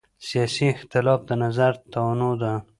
سیاسي اختلاف د نظر تنوع ده